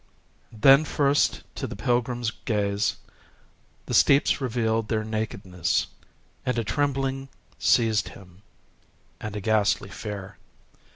Then first to the pilgrim's gaze the steeps revealed their nakedness;—and a trembling seized him,—and a ghastly fear.